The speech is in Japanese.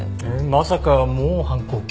まさかもう反抗期？